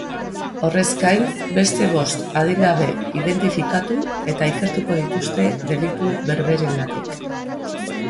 Horrez gain, beste bost adingabe identifikatu eta ikertuko dituzte delitu berberengatik.